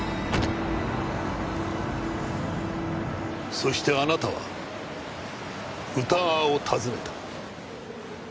そしてあなたは宇田川を訪ねた。